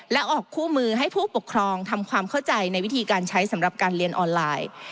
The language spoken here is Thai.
และออกคู่มือให้ผู้ปกครองทำความเข้าใจในวิธีการใช้สำหรับการเรียนออนไลน์